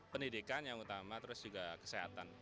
pendidikan yang utama terus juga kesehatan